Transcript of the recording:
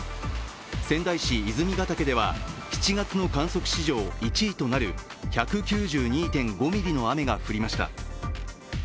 仙台市泉ヶ丘では７月の観測史上１位となる１９２．５ミリの雨が降りました。